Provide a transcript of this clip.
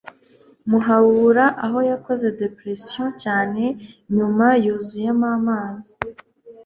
muhabura, aho yakoze depression cyane, nyuma yuzuyemo amazi